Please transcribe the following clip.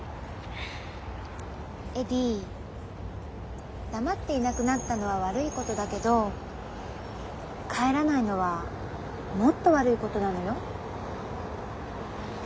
エディ黙っていなくなったのは悪いことだけど帰らないのはもっと悪いことなのよ。